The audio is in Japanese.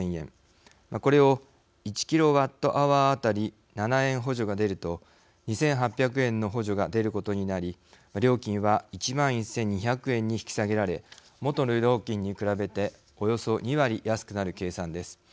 これを１キロワットアワー当たり７円補助が出ると２８００円の補助が出ることになり料金は１万１２００円に引き下げられ元の料金に比べておよそ２割安くなる計算です。